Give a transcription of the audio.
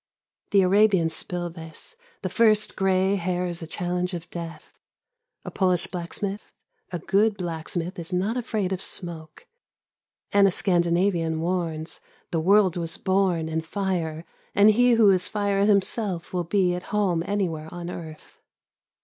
The Arabians spill this: The first gray hair is a challenge of death. A Polish blacksmith: A good black smith is not afraid of smoke. And a Scandinavian warns: The world was born in fire and he who is fire himself will be at home anywhere on earth.